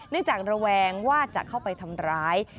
จากระแวงว่าจะเข้าไปทำร้าย